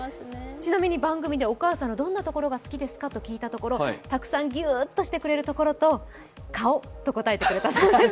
ちなみに番組でお母さんのどんなところが好きですか？と聞いたところ、たくさんぎゅーっとしてくれるところと、顔と答えてくれたそうです